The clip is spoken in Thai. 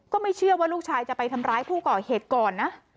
ก็ไม่เชื่อว่าลูกชายจะไปทำร้ายผู้ก่อเหตุก่อนนะ